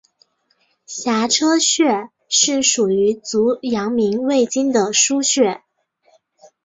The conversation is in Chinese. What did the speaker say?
颊车穴是属于足阳明胃经的腧穴。